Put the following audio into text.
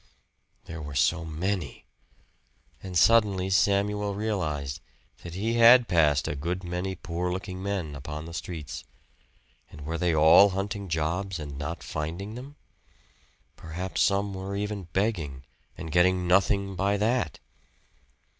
There were so many! And suddenly Samuel realized that he had passed a good many poor looking men upon the streets. And were they all hunting jobs and not finding them? Perhaps some were even begging and getting nothing by that.